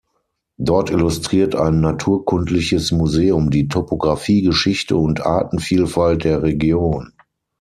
Dort illustriert ein naturkundliches Museum die Topographie, Geschichte und Artenvielfalt der Region.